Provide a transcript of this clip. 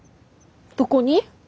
どこに？